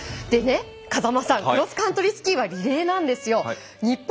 でね、風間さんクロスカントリースキーはリレーなんですよね。